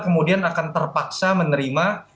kemudian akan terpaksa menerima